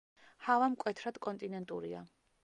ჰავა მკვეთრად კონტინენტურია.